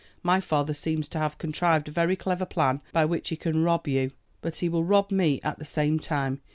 My father seems to have contrived a very clever plan by which he can rob you; but he will rob me at the same time.